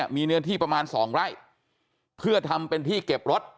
มีเนื้อที่ประมาณ๒ไร่เพื่อทำเป็นที่เก็บรถ